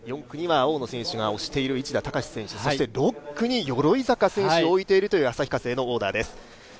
４区には大野選手が推している市田孝選手、そして６区に鎧坂選手を置いているという旭化成のオーダーです。